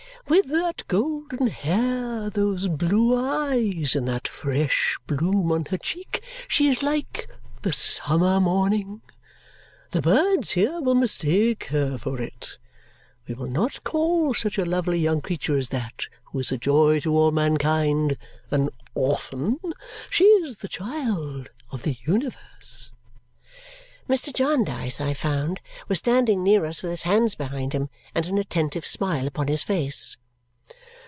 "With that golden hair, those blue eyes, and that fresh bloom on her cheek, she is like the summer morning. The birds here will mistake her for it. We will not call such a lovely young creature as that, who is a joy to all mankind, an orphan. She is the child of the universe." Mr. Jarndyce, I found, was standing near us with his hands behind him and an attentive smile upon his face.